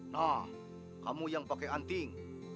nah kamu yang pakai anting